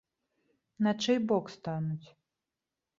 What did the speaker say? На чый бок стануць?